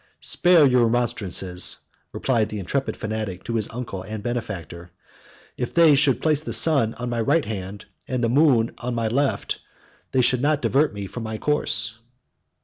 "Spare your remonstrances," replied the intrepid fanatic to his uncle and benefactor; "if they should place the sun on my right hand, and the moon on my left, they should not divert me from my course."